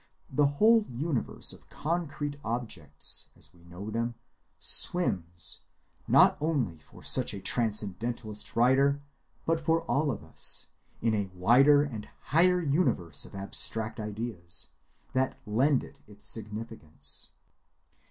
The whole universe of concrete objects, as we know them, swims, not only for such a transcendentalist writer, but for all of us, in a wider and higher universe of abstract ideas, that lend it its significance.